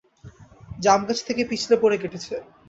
জামগাছ থেকে পিছলে পড়ে কেটেছে।